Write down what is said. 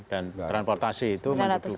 dan transportasi itu menduduki